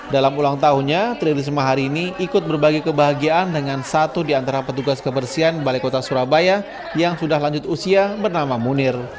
dalam ulang tahunnya tri risma hari ini ikut berbagi kebahagiaan dengan satu di antara petugas kebersihan balai kota surabaya yang sudah lanjut usia bernama munir